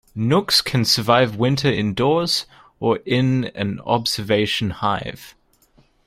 Nucs can also survive winter indoors, or in an observation hive.